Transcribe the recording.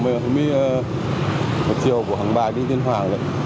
một chiều của hàng bài đi đến hoàng